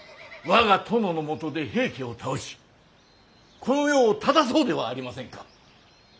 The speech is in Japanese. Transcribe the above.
我が殿のもとで平家を倒しこの世を正そうではありませんか。